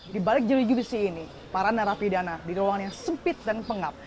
di balik jenis judisi ini para narapidana di ruangan yang sempit dan pengap